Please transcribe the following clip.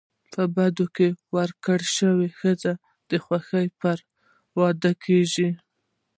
په بدو کي ورکول سوي ښځي د خوښی پرته واده کيږي.